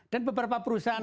dan beberapa perusahaan